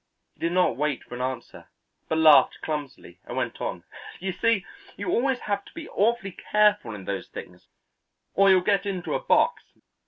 He did not wait for an answer, but laughed clumsily and went on: "You see, you always have to be awfully careful in those things, or you'll get into a box.